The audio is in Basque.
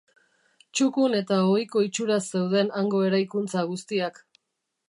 Txukun eta ohiko itxuraz zeuden hango eraikuntza guztiak.